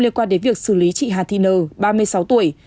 liên quan đến việc xử lý chị hà thi nờ ba mươi sáu tuổi